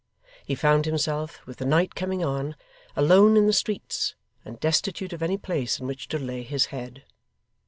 He found himself, with the night coming on, alone in the streets; and destitute of any place in which to lay his head.